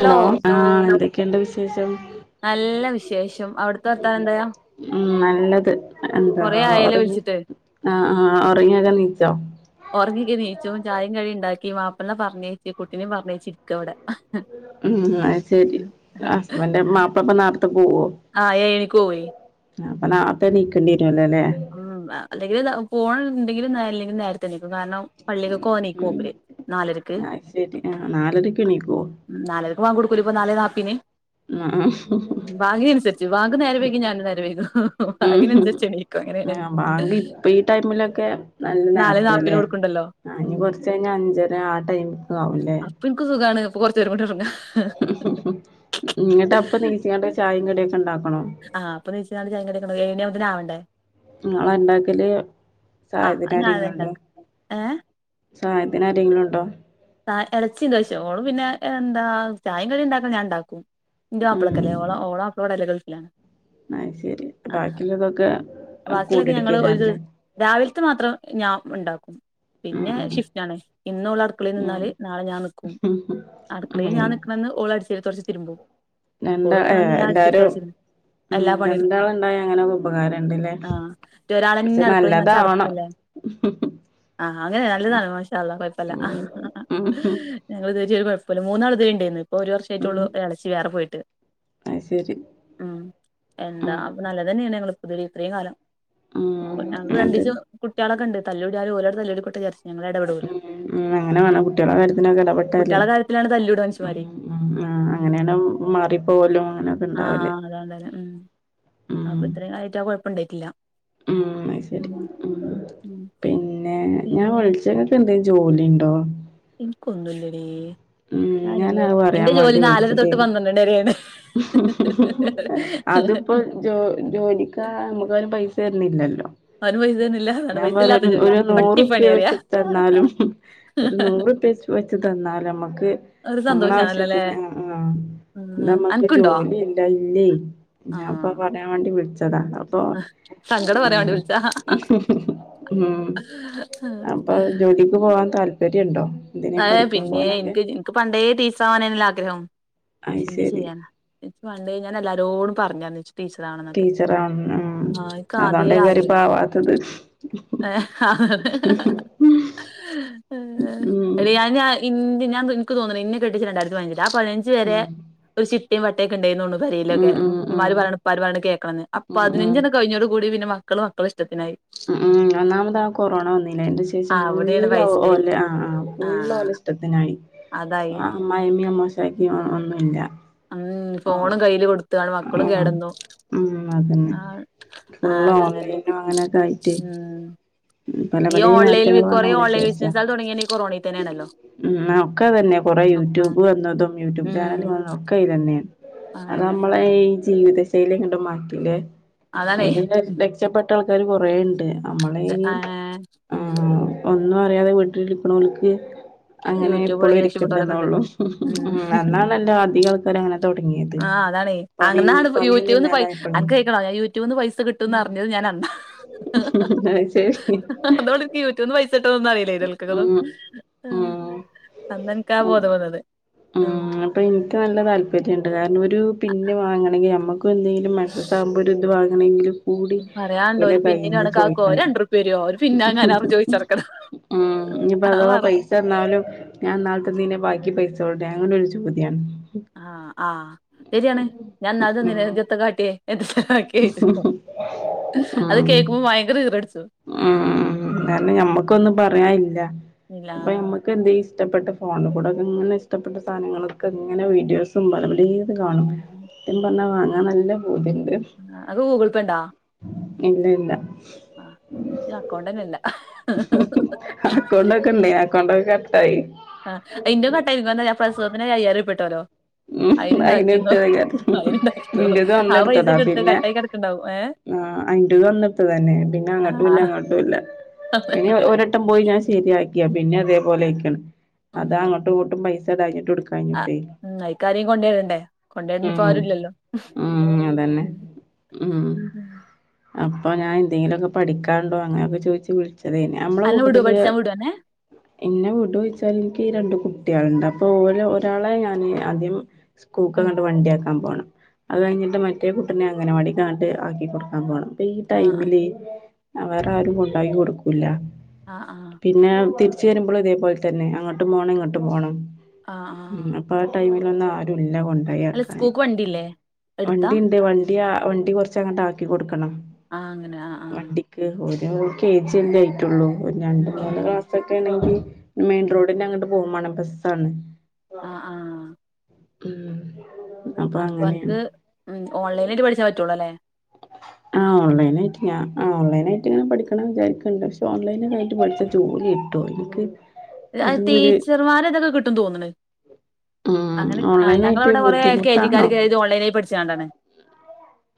Hello ആഹ് എന്തൊക്കെയുണ്ട് വിശേഷം? നല്ല വിശേഷം അവിടുത്തെ വർത്താൻ എന്തായ? ഉം നല്ലത് എന്താ ആയല്ലോ വിളിച്ചിട്ട് ഉറങ്ങിആഹ് അഹ് ഒറങ്ങിയൊക്കെനീച്ചോ? ഉറങ്ങിക്ക നീച്ചും ചായയും കഴിയും ഇണ്ടാക്കി വാപ്പനേ പറഞ്ഞേച്ചു കുട്ടിനേും പറഞ്ഞേച്ച ഇരിക്കവിടെ- ഉം അയ്ശരി ഹസ്ബൻ മാപ്പിള നട്ടക്ക് പോവോ? ആഹ് ഏഴരയ്ക്ക് പോയി അപ്പ നേരത്തെനീക്കേണ്ടി വരൂല്ല ല്ലേ? ഉം അല്ലെങ്കിൽ പോണുണ്ടെങ്കിലുംല്ലെങ്കിലും നേരത്തെ എണിക്കും കാരണം ഉം പള്ളിക്ക്കൊനേക്കുപ്പര് നാലരക്ക് അത് ശരി ആഹ് നാലരക്ക് എണീക്കോ നാലരക്ക് വാങ്ക് കൊടുക്കല്ലേ നാല് നാപ്പേനി ആഹ് [unintelligible] വാങ്കിനനുസരിച്ച് വാങ്ക്നേരം വൈകി ഞാനുംനേരംവൈക്കു ഉം വാങ്കിനനുസരിച്ച് - - ആഹ് ഇപ്പ വാങ്കി ഇപ്പ ഈ ടൈമിലൊക്കെ നല്ല നാലേ നാപ്പീന് നേരത്തെല്ലേ കൊടുക്കണ്ടല്ലോ ആഹ് ഇഞ് ഉം കൊറ്ച്ചഴിഞ്ഞ അഞ്ചര ആ ടൈമിങ്ങ് ആവുലെ. ഇപ്പം ഇൻക്ക് സുഖാണ്. അപ്പം കൊറ് ച്ചേരം കൂടി ഒറ്ങ്ങ. ഇങ്ങട്ട് അപ്പം നീച്ചാണ്ട് ചായയും ക്യാെക്കെ ഉണ്ടാക്കണം. ആ അപ്പം നീച്കാണ്ട്. [unintelligible] എഴണ്യാവുമ്പോത്തിനു ആവെണ്ടെ. ഇങ്ങള ഇണ്ടാക്കല്. ആഹ് സഹായത് അത് ന ഞാൻ തന്നെ ആര്യെങ്ങാണ്ടോ. ഇണ്ടാക്കും ഏഹ് സഹായത്തിന് ആരെങ്കിലും ഉണ്ടോ. സഹാ എളച്ചിണ്ട്. പക്ഷെ ഓളും പിന്നെ എന്താ ചായ കടിം ഇണ്ടാക്കൻ ഞാൻ ഇണ്ടാക്കും. ഇന്റെ ഉം മാപ്ലക്കല്ലെ. ഓ ഓള മാപ്ല ഗൾഫിലാണ്. ആഹ് ശെരി. ബാക്കിള്ളതൊക്കെ. വാക്കില്ലൊക്കെ ഞങ്ങള് ഒരു [unintelligible] രാവിൽത്തെ മാത്രം ഞാൻ ഇണ്ടാക്കും. പിന്നെ ഉം ഷിഫ്റ്റാണ്. ഇന്ന് ഓള് അട്ക്കളേ ഉം നിന്നാല് നാളെ ഞാൻ നിക്കും. ഉം അടുക്കളേ ഉം ഞാൻ നിക്കും. ആന്ന് ഓള് അടിച്ചേരി തൊട്ച്ച് തിരുമ്പും. ഓള് രണ്ടാ ഇട്ക്ക്ണന്ന് ഏഹ് ഞാൻ അടിച്ചെരി തൊട്ച്ചിനി എല്ലാ പണി ഇടുക്കും. ഇണ്ടായാ അങ്ങനെ ഒരു ഉപകാരം ഇണ്ട്ലെ. ആഹ് ഒരാളന്നെ അടുക്കളീ നിന്ന ചട്പ്പെല്ലെ. ആഹ് അങ്ങനെ നല്ലതാണ്. മാഷാ അള്ളാ കൊഴപ്പല്ല. ഉം ഉം ഞങ്ങള് ഇത് വരീ ഒരു കൊഴപ്പുല്ല. മൂന്നാള് ഇതീ ഇണ്ടേയ്ന്നു. ഇപ്പൊ ഒരു ഉം വർഷായിട്ടൊള്ളൂ ഒരു എളച്ചി വേറെ പോയിട്ട്. അത് ശരി ഉം എന്താ ഉം അപ്പൊ നല്ലതന്നേണ് ഞങ്ങള് ഇത് വരേ ഇത്രീ കാലം. ഉം ഞങ്ങക്ക് എന്നിട്ട് രണ്ടീച്ചെ കുട്ട്യേളൊക്കെ ഇണ്ട്. തല്ലൂട്യാലും ഓലാണ്ട് തല്ലൂടികോട്ടെ വിചാര്ച്ചും. ഉം ഉം അങ്ങനെ വേണം. കുട്ട്യേളെ കാര്യത്തിനൊക്കെ എടപെട്ടാലേ കുട്ട്യാളെ കാര്യത്തിലാണ് തല്ലൂടാ ഉം. മനുഷ്യന്മാര് ഉം ആ അങ്ങനേണ് മാറിപ്പോവലും അങ്ങനൊക്കെ ആഹ് ഇണ്ടാവല്. ആഹ് അതാണ്ടാലെ ഉം ഉം അപ്പൊ ഇത്രീം കാലായിട്ട് ആ കൊഴപ്പണ്ടായിട്ടില്ല. ഉം അത് ശെരി. ഉം ഉം പിന്നെ ഞാൻ പിന്നെ വിളിച്ച ഞങ്ങൾക്ക് എന്തേങ് ജോലി ഇണ്ടോ. എനിക്കൊന്നുംല്ലടീ. ഉം ഞാൻ ഇന്ന് ഞാനത് പറയാൻ ഇന്റെ ജോലി വേണ്ടി നാലര തൊട്ട് വിളിച്ചതേനി പന്ത്രണ്ട് മണി വരേണ്. [inaudible] അതിപ്പോ ജോ ജോലിക്ക നമുക്കാരും പൈസ തര്ന്നില്ലല്ലോ. അവന് പൈസയൊന്നുല്ല അതാണ് ഞാൻ പൈസ പറ്യ ഇല്ലാത്ത ജോലി ഒരു പട്ടിപ്പണി നൂറുപ്യ അറിയാ വച്ച്ട്ട് തന്നാലും. ഒരു നൂറുപ്യ വെച്ച് തന്നാലും നമ്മുക്ക് ഒരു നമ്മളെ സന്തോഷാണല്ലോല്ലേ ആവശ്യത്തിന് ആഹ് ഉം ഇന്നമ്മക്ക് അനക്കുണ്ടോ ജോലി ഇല്ല ഇല്ലെ. ഞാൻ ഇപ്പ അത് ആഹ് പറയാൻ വേണ്ടി വിൾച്ചതാ. അപ്പൊ. സങ്കടം പറയാൻ ഉം വേണ്ടി വിളിച്ചാ [inaudible] ഉം ഇപ്പൊ ജോലിക്ക് പോകാൻ താല്പര്യംണ്ടോ. [unintelligible] ഹാ പിന്നേ ഇൻക്ക് ഇൻക്ക് പണ്ടേ ടീച്ചറാവാനെല്ലേ [unintelligible] ആഗ്രഹം. പക്ഷെ അയ് എന്ത് ശരി ചെയ്യാനാ. ഇൻക്ക് പണ്ടേ ഞാൻ എല്ലാരോടും പറഞ്ഞാ [unintelligible] ടീച്ചറാവണംന്നൊക്കെ. ടീച്ചറാണ് ഉം ആഹ് ഇൻക്കാദ്യേ അതോണ്ടേക്കാരം ആഗേനു. [unintelligible] [inaudible] യെ അതെ ഉം എടീ അത് ഞാൻ [unintelligible] ഇൻക്ക് തോന്ന്ണെ. ഇന്നെ കെട്ടിച്ചെ രണ്ടായിരത്തി പതിനഞ്ച്ലാ. ആപതിനഞ്ച് വരെ ഉം ഒരു ഷിഫ് [unintelligible] പേരീ ഉം ലൊക്കെ ഉം ഉം ഇമ്മാര് പറീണും ഇപ്പാര് പറി ണും കേക്കണംന്ന്. ആ ഉം ഉം പതിനഞ്ചു ആണ്ട് കയീഞ്ഞോട് കൂടി പിന്നെ മ മക്കള് മക്കള് ഇഷ്ടത്തിനായി. ഉം ഉം. ഒന്നാമത് ആഹ് കൊറോണ വന്നില്ലെ. അയിന്റെ ശേഷം അവിടെയാണ് ഫുള്ള് പൈസ ഒലെ ആഹ് ആഹ് ഫുള്ള് ആഹ് ഓല ട്ടത്തിനായി. അതായി. അമ്മായിമ്മിം അമ്മോശാക്കി ഒന്നും ഇല്ല. ഉം ഫോണും കയ്യില് കൊട്ത്താണ്ട് മക്കളും ആഹ് കേടന്നു. ഉം അതെന്നെ ഫുള്ള് ആകെ അങ്ങനെ ഓൺലൈനും അങ്ങനക്കായി ഉം പലെ പലെ മാറ്റങ്ങള് വന്ന അയ്ന് ശേഷ തൊടങ്ങെന്നെ ഈ കൊറോണി തന്നെ ആണല്ലൊ ഉം ഒക്ക അതെന്നെ കൊറെ യൂട്യൂബ് വന്നതും യൂട്യൂബ് ഉം ചാനല് വന്നതും ഒക്ക അയിലന്നെ അത് അങ്ങനെ നമ്മളെ ഈ ജീവിത ശൈലി അങ്ങ്ട്ട് മാറ്റുല്ലെ അതാണേ അയില് മെച്ചപ്പെട്ട ആൾക്കാര് കൊറേണ്ട് നമ്മളെ ഈ ആഹ് ഉം ആഹ് ഒന്നു അറിയാതെ വീട്ട്ല് ഇരിക്കൊണോൽക്ക് യൂട്യൂബൊടങ്ങി രക്ഷപ്പെട്ടോലക്ക ഇണ്ട് ഉം അന്നാണല്ലോ അധികം ആൾക്കാരും അങ്ങനെ തൊടങ്ങിയത് ആഹ് അതാണെ പണി അങ്ങന്നാണ് പണിയൊന്നും യൂടൂബ്ന്ന് പൈ ഇല്ലാതായപ്പളേ അനക്ക് കേക്കണൊ ഞാൻ യൂട്യൂബ്ന്ന് പൈസ കിട്ടുന്നർഞത് ഞാനന്ന അയ് ശെരി [unintelligible] യൂട്യൂബിന്ന് പൈസ്ട്ടൊന്നും അറിയില്ലാ ഉം [unintelligible] ആഹ് ഉം അന്ന് എൻക്ക ആഹ് ബോധം വന്നത് ഉം ഇപ്പ ഇൻക്ക് നല്ല താല്പര്യണ്ട് കാര്ണം ഒര് പിന്ന് വാങ്ങണെങ്കി ഞമ്മ ഇപ്പ എന്തേലും മൻസസാവുമ്പൊ ഒര് ഇത് വാങ്ങണെങ്കിലും കൂടി പറയാണ്ടോ ഇവല ഒരു പിന്നിന് കയ്യ്ന്ന് കണക്കാക്കോ ചോയിക്കണം രണ്ടുറുപ്യ തരോ ഒരു പിന്നാങ്ങാനാന്ന് ചോയിച്ചടക്കണം ഉം ഇഞിപ്പ അത് അതവ മാറും പൈസ് ചേർന്നാലും ഞാൻ ഇന്നാള് തന്നീന ബാക്കി പൈസ എവ്ടെ അങ്ങനൊര് ചോദ്യാണ് ആഹ് ആഹ് ശെരിയാണ് ഞാൻ ഇന്നാള് ഉം തന്ന്ലെ ഇജെത്ത കാട്ട്യെ കേ അത് ഉം കേക്ക്മ്പൊ ബയങ്കര ഈറ പുട്ചും ഉം കാര്ണം ഞമ്മക്കൊന്നും പറയാല്ല ഇല്ലാ ഇപ്പൊ ഞമ്മ ഇപ്പെ എന്തേ ഇഷ്ട്ടപെട്ട ഫോണ് കുടൊക്ക ഇങ്ങനെ ഇഷ്ടപ്പെട്ട സാനങ്ങളൊക്കെ ഇങ്ങനെ വീഡിയോസും [unintelligible] അത് കാണും ഉം സത്യം പറ്ഞ്ഞാ വാങ്ങാ നല്ല പൂതി ഇണ്ട് അത് ഗൂഗ്ൾ പേണ്ടാ ഇല്ല ഇല്ല ആഹ് ഇച്ച് അക്കൗണ്ടന്നെ ഇല്ല അക്കൗണ്ടക്കണ്ട് അക്കൗണ്ടക്ക കട്ടായി ആഹ് അയ്ന്റകട്ടായി പ്രസവത്തിന് അയ്യായിരർപ്യട്ടോലൊ ഉം അയിന് ഇണ്ടാക്കിന്നൊ ഇട്ടത് അയിന് ഇണ്ടാക്കിന്നൊ ഇന്റത് അന്ന് ആഹ് എടുത്തതാ പൈസെക്ക ഇട്ത്ത് പിന്നെ കട്ടായി കട്ക്ക്ണ്ടാവും ഏഹ് ആഹ് അയിന്റതു അങ്ങൻത്തതന്നെ പിന്നെ അങ്ങ്ട്ടും ഇല്ല ആഹ് ഇങ്ങ്ട്ടും ഇല്ല ഇനി അതന്നെ ഒ ട്ടം പോയി ഞാ ശെരിയാക്ക്യ പിന്ന ഇതേ പോലെ അയ്ക്ക്ണ് ഉം അത് അങ്ങ്ട്ടും ഇങ്ങ്ട്ടും പൈസ ഇടാഞ്ഞിട്ടും ഇട് ആഹ് കയിഞ്ഞിട്ടൊ ഉം അയ്ക്കാരെ കൊണ്ടോയി ഇടണ്ടെ കൊണ്ടോയി ഇട്ന് ഇപ്പാരു ഇല്ലല്ലൊ ഉം അതന്നെ ഉം ഉം അപ്പൊ ഞാൻ എന്തെങ്കിലും ഓക്ക പഠിക്ക്യാണ്ടൊ അങ്ങനെയൊക്ക ചൊയ്ച്ച് വുളിച്ചതേന് ഞമ്മളെ അന്നെ വിടോ കൂട്ടത്ത്ല് പഠിച്ചാൻ വിടോ അന്നെ എന്നെ വിടൊ ചൊയ്ച്ചാല് ഇൻക്ക് രണ്ട് കുട്ട്യാള്ണ്ട് അപ്പൊ ഓല ഒരാളെ ഞാന് ആദ്യം ഉം സ്കൂക്കന്നർഞ്ട് വണ്ടി അയക്കാ പോണ അത് കഴിഞ്ഞിട്ട് മറ്റേ കുട്ട്നെ അംങ്ങനവാടിക്കർഞ്ട്ട് ആക്കി കൊട്ക്കാൻ പോണം ഇപ്പ ഈ ആഹ് ആഹ് ടൈമില് വേറ ആരും കൊണ്ടാക്കി കൊട്ക്കൂല്ല ആഹ് ആഹ് പിന്നെ തിരിച്ച് വരുമ്പളു ഇതേപോല തന്നെ അങ്ങ്ട്ടും പോണം ഇങ്ങ്ട്ടും പോണം ആഹ് ആഹ് ഇപ ആഹ് ടൈമിലൊന്നും ആരുല്ല കൊണ്ട് ഇല സ്കൂക്ക് വണ്ടില്ലേ വണ്ടിണ്ട് വണ്ടി വണ്ടി കൊറ്ച്ച് അങ്ങ്ട്ട് ആക്കി കൊട്ക്കണം ആഹ് അങ്ങനെ ആഹ് ആഹ് വണ്ടി ക്ക് ഓരോ കെ ജി അല്ലേ ആയിട്ടൊള്ളൂ ഒര് രണ്ട് ഉം മൂന്ന് ഉം ക്ലാസ് പറ്റാണെങ്കി മെയിൻ റോഡിന്റെ അങ്ങട്ട് പോകും വാണം ബസ്സാണ് ആഹ് ആഹ് ഹ്മ്മ് അപ്പൻക്ക് ഓൺലൈനായിട്ട് പഠിച്ചാ പറ്റൊള്ളൂ അല്ലേ ആഹ് ഓൺലൈനായിട്ട് ഞാ ആഹ് ഓൺലൈനായിട്ട് ഇങ്ങനെ പഠിക്കണംന്ന് വിചാരിക്ക്ണ്ട് പക്ഷെ ഓൺലൈനായ്ട്ട് പഠിച്ച ജോലി ട്ടൊ ഇൻക്ക് അത് ടീച്ചർമാരൊക്കെ ഇതൊക്കെ കിട്ടും തോന്ന്ണ് ഉം അങ്ങനെ ഓൺലൈനായിട്ട് ഞങ്ങളെവടെ കൊറെ എൽ കെ ബുദ്ധിമുട്ടാണോ ജിക്കാര് കേറിത് ഓൺലൈനായി പഠിച്ചാണ്ടാണ്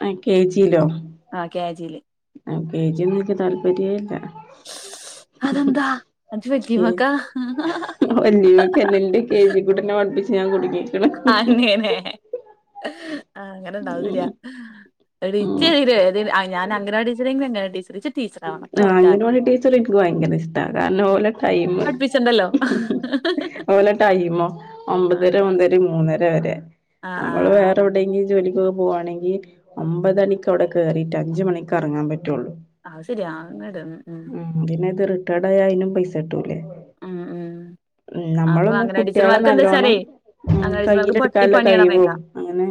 ആഹ് കെ ജിലോ ആഹ് കെ ജിയില് ആഹ് കെ ജിയൊന്നും ഇൻക് താല്പര്യേല്ല അതെന്താ അജ് വെല്ലിമക്ക വല്ലിമക്കന്നെ ഇന്റെ കെ ജി കൂട്ടനെ പഠിപ്പിച്ച് ഞാൻ കുടുങ്ങി അങ്ങനെ ആഹ് അങ്ങനെണ്ടാവും അത് ഉം ശെരിയാ ഒര് ഉം ഇച്ചനെ ഒര് ഞാന് അംഗലവാടി ടീച്ചർങ്കിലെന്നെ ടീച്ചറ് ആഹ് അംഗലവാടി ടീച്ചറ് ഇൻക്ക് ഭയങ്കര ഇഷ്ടാ കാരണം ഉം. ഓലെ ടൈംമ് പഠിപ്പിച്ചണ്ടല്ലോ ഓലെ ടൈമോ ഒമ്പതര ആഹ് മുത ല് മൂന്നര വരെ ആഹ് നമ്മള് ആഹ് വേറെ എവിടെങ്കി ജോലികൊക്കെ പോവാണെങ്കി ഒമ്പതണിക്ക് ത്തൊടെ കേറിട്ട് അഞ്ച് മണിക്കെറങ്ങാൻ പറ്റൊള്ളൂ അഹ് ശെരിയാ അങ്ങൻണ്ട്‌ ഹ്മ്മ് ഹ്മ്മ് പിന്നെ ഇത് റിട്ടേഡായ അയ്നും പൈസ കിട്ടൂല്ലേ ഹ്മ്മ് ഹ്മ്മ് ഹ്മ്മ് നമ്മളൊന്നും കുട്ടിയേളെ നല്ലോണം ഹ്മ്മ് അംഗനവാടി ടീച്ചർമാർക്ക് പട്ടി കയ്യ്ല്ട്ക്കാളെ പണിയാണ് കഴ് വെ പറഞ്ഞേക്കാം അങ്ങനെ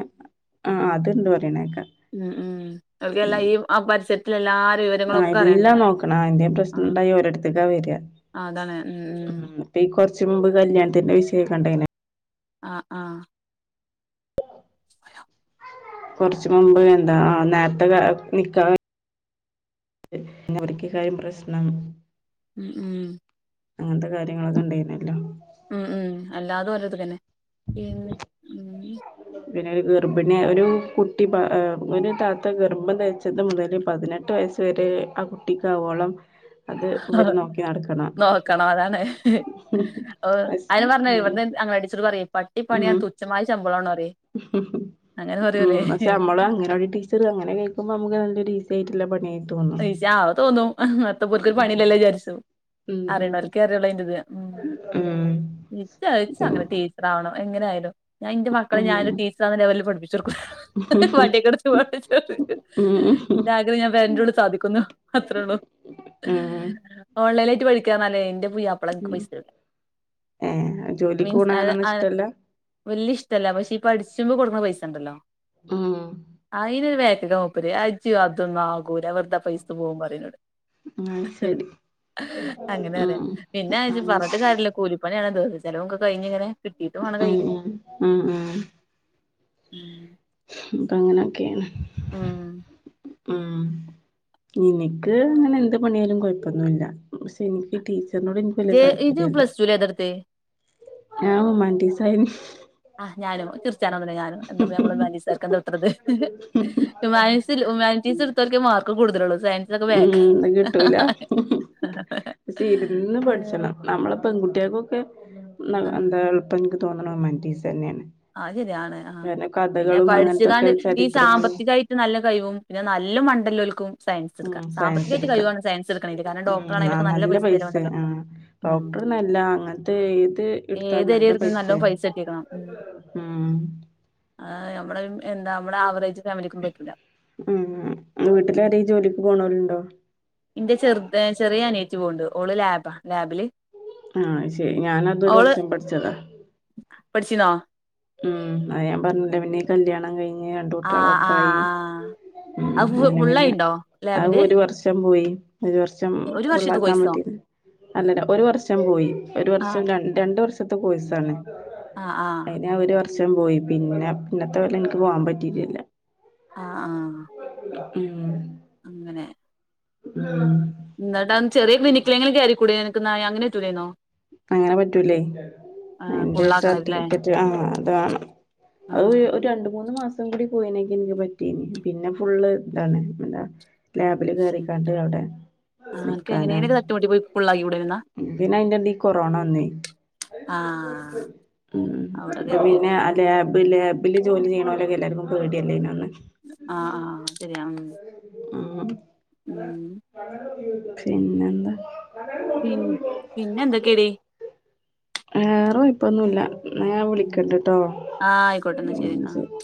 ആഹ് ആഹ് അത്ണ്ട് പറിണെക്കാ ആഹ് ആഹ് അവിടല്ല ഈ ആ പരിസരത്തിലെല്ലാരി ഒഴ് ആഹ് എല്ലാം നോക്കണം ആഹ് എന്തെ പ്രശ്നണ്ടായ ഓരട്ത്ക്കാ വരാ അതാണ് ഹ്മ്മ് ഹ്മ്മ്. ഇപ്പ ഈ കൊറച്ച് മുമ്പ് കല്യാണത്തിന്റെ വിഷയക്കണ്ടെയ്നോ ആഹ് ആഹ് കൊറച്ച് മുമ്പ് എന്താ ആഹ് നേരത്തെ നിക്കാഹഴി പിന്നെ അവർക്കേക്കാരം പ്രശ്നം ഹ്മ്മ് ഹ്മ്മ് അങ്ങൻത്തെ കാര്യങ്ങളൊക്കെ ഇണ്ടായിനല്ലോ ഹ്മ്മ് ഹ്മ്മ് അല്ലാതെ ഓലട്ത്ത്ക്കന്നെ പിന്നെ ഉം [inaudible] പിന്നെ ഒര് ഗർഭിണി ഒരു കുട്ടി ബ ഏഹ് ഒരു താത്ത ഗർഭം ധരിച്ചതും മുതല് പതിനെട്ട് വയസ് ഇത് വേരെ ആ കുട്ടിക്കാവോളം അത് ഇവര് നോക്കി നടക്കണം നോക്കണം അതാണ് അയിഞ്ഞാ പറഞ്ഞെ ഉം ഇവന്ന് അഗംലവാടി ടീച്ചറ് പ റഞ്ഞത് പട്ടിപ്പണിയാ തുച്ഛമായ ശമ്പളാണൊന്നറിയെ ഹ്മ്മ് പക്ഷെ നമ്മളും അഗംലവാടി ടീ ച്ചറ് അങ്ങനെ കേക്കുമ്പോ നമക്ക് നല്ലര് ഈസി ആയിട്ട്ള്ള പണിയാ നിഷാ അത് തോന്നും എത്തപ്പ ഓൽക്കൊരു ഉം പണിയിലല്ല വിചാര്ച്ചും ഉം അറിണോൽക്കെ അറിയൊള്ളൂ അയ്ന്റെത് ഇച്ച ഇച്ചങ്ങനെ ഉം ടീ ച്ചറാവണം എങ്ങനായാലും ഞാൻ ഇന്റെ മക്കളെ ഞാനൊര് ഉം ടീച്ചറാന്ന്ല്ലെ ലെവൽല് പഠിപ്പിച്ചൊടുക്കും ഉം വടിയൊക്കെട്ത്ത് പഠിപ്പിച്ചൊടുക്കും ഉം ഇന്റെ ആഗ്രഹം ഞാൻ പെരന്റുള്ള് സാധിക്കുന്നു അത്രൊള്ളൂ. ഉം ഓൺലൈനായിട്ട് പഠിക്കാറ്ഞ്ഞാലെ ഇന്റെ പുയ്യാ പ്ലനക്ക് പൈസരും ഏ ജോലിക്ക് മീൻസ് പോണ അഹ് അങ്ങനൊന്നും അഹ് ഇഷ്ടല്ല വല്ല്യ ഇഷ്ട്ടല്ല പക്ഷെ ഇപഠിച്ചുമ്പോ കൊടുക്കുന്ന പൈസ ഇണ്ടല്ലോ ഉം അയിനൊരു ബേക്കിക്ക മൂപ്പര് അത്ജ്ജ് കാത്ത്ന്ന ആകൂല വെറ് ന്താ പൈസ പോവും പറയിന്നോട് അത് ശരി അങ്ങനെറിയ ഉം പിന്നെജ്ജ് ഉം പറഞ്ഞിട്ട് കാര്യല്ല്യ കൂലി പണിയാണത് ചെലവൊക്കെ കഴിഞ്ഞിങ്ങനെ കിട്ടീട്ട്മാണം ഉം ഉം കയ്യില് ഉം ഉം അപ്പൊങ്ങനെക്കേണ് ഉം ഉം ഇനിക്ക് അങ്ങനെന്ത് പണിയയാലും കൊഴ്പ്പൊന്നുല്ല പക്ഷേ എനിക്ക് ടീ ചർനോട് ഇന്ക്ക് വല്യ ജെ ഇജ് താല്പര്യല്ല്യ പ്ലസ് ടു ല് ഏതാട്ത്തെ ഞാ ഹ്യൂമൻറ്റിസ് ആയ് ആഹ് ഞാനും ചിർച്ചാനൊന്നുംല്ല ഞാനും എന്തപ്പ നമ്മളുമാന്റീസെർക്ക് എന്താ ഇത്രത് ഹ്യൂമാനീസ്‌ ഹ്യുമാനിറ്റീസ്‌ എടുത്തോർക്കേ മാർക്കും കൂടുതലുള്ളൂ സയൻ ഉം അഹ്കിട്ടൂല്ല ക്ഷേ ഇര്ന്ന് ഏഹ് പഠിച്ചണം നമ്മളെ പെങ്കുട്ട്യാക്കൊക്കെ ന്ന ആഹ് എന്താ ഇപ്പന്ക്ക് തോന്നണ് ഹ്യൂമൻറ്റീസെനെണ് ആ ശര്യാണ് ആഹ് പിന്നെ അങ്ങനത്തൊക്കെ പഠിച്ച്കാണ്ട് ഈ ചരിത്രങ്ങളും സാമ്പത്തികായി നല്ലകൈവും പിന്നെ നല്ല മണ്ടല്ലോൽക്കും സയൻസ് ഉം ഇട്ക്കാ സയൻസ് സാമ്പത്തികായിട്ട് എട്ക്ക കഴിവാണ് സയൻസ് ഇട്ക്ക്ണേല് കാരണം ഉം ആഹ് ഡോക്ടറാണേലൊക്കെ നല്ല പൈസ പൈസയ ചെലവുണ്ടല്ലോ ആഹ് ഉം ഡോക്ടർ നല്ല അങ്ങനത്ത് ഏത് ഇട്ത്താ ഏത് നല്ല എരേട്ക്ക്ണേലും നല്ലോം പൈസയ പൈസ കിട്ടിക്കണം ഉം ആഹ് നമ്മടെവി എന്താ നമ്മടെ ആവറേജ് ഫാമിലിക്കും പറ്റൂല ഉം ഉം വീട്ടിലാരേലും ജോലിക്ക് പോണോലുണ്ടോ ഇന്റെ ചെറ്ത് ചെറീയ അനിയേത്തി പോണ്ട് ഓള് ലാബാ ലാബില് ആഹ് അയ്ശെരി ഞാനതൊരു ഓള് വർഷം പഠിച്ചതാ പഠിച്ചിന്നോ ഉം അയ് ഞാൻ പറഞ്ഞ്ല്ല പിന്നെ കല്യാണം കഴിഞ്ഞ് ആഹ് രണ്ട്കുട്ടികളൊപ്പായി ആഹ് ആഹ് ഉം അത് അങ്ങനെ പിന്നെ ഫുള്ളായിണ്ടോ അഹ് ലാബിന്റെ ഒരു വർഷം പോയി ഒരു വർഷം ഒരു വർഷത്തെ ഫുള്ളാക്കാൻ കോഴ്സോ പറ്റില അല്ലല്ല ഒരു വർഷം പോയി ഒരു വർഷം ആഹ് രണ്ട രണ്ട് വർഷത്തെ കോഴിസാണ് ആഹ് ആഹ് ഞാൻ ഒരു വർഷം പോയി പിന്നെ പിന്നത്തെകൊല്ലം ന്ക്ക് പോവാൻ പറ്റീറ്റില്ല ആഹ് ആഹ് ഉം അങ്ങനെ ഉം ന്നിട്ട് അ ചെറിയ ക്ലിനികില്ലെങ്കിലും കയറിക്കൂടെ അനക്ക്ന്ന അങ്ങനെ പറ്റൂലേന്നോ അങ്ങനെ പറ്റൂല്ലേ ആഹ് അതിന്റെ ഫുള്ളാക്കണല്ലേ സർട്ടിഫിക്കറ്റ് ആഹ് അതാണം അത് ആഹ് ഒരു രണ്ട് മൂന്ന് മാ സം കൂടി പോയിനങ്കി ന്ക്ക് പറ്റീന്ന് പിന്നെ ഫുള്ള്ന്താണ് എന്താ ലാബില് കയറിക്കാണ്ട് അവ്ടെ ആഹ് അനക്ക് എങ്ങനെലൊക്കെ നിക്കാനാണ് തട്ടിമുട്ടി പോയി ഫുള്ളാക്കിക്കൂടെന്നാ പിന്നെ അയിന്റെടി കു കൊറോണവന്ന് ആഹ് ഉം അവിടെ പ്പ കരുതി പിന്നെ ലേബ് ലേബ് ല് ജോലി ചെയ്യണോലൊക്കെ എല്ലാർക്കും പേടിയല്ലേന്ന അന്ന് ആഹ് ആഹ് അത്ശരിയാണ് ഉം പിന്നെന്താ പിൻ പിന്നെന്തെക്കേടി വേറ കൊയ്പ്പൊന്നുല്ല ന്നഞാ ആഹ് വിളിക്കണ്ട്ട്ടോ ആയിക്കോട്ടെ എന്നാ ഉം എന്നാ ശരി